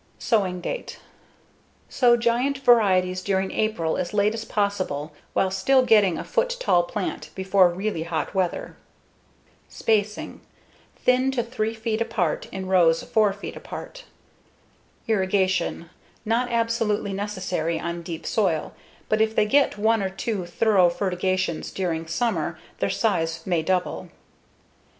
Sowing date: Sow giant varieties during April, as late as possible while still getting a foot tall plant before really hot weather. Spacing: Thin to 3 feet apart in rows 4 feet apart. Irrigation: Not absolutely necessary on deep soil, but if they get one or two thorough fertigations during summer their size may double.